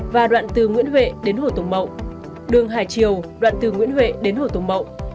và đoạn từ nguyễn huệ đến hồ tùng mậu đường hải triều đoạn từ nguyễn huệ đến hồ tùng mậu